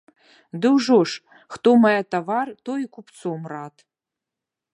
Ды ўжо ж, хто мае тавар, той і купцом рад.